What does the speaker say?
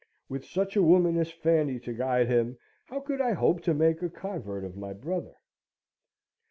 With such a woman as Fanny to guide him, how could I hope to make a convert of my brother?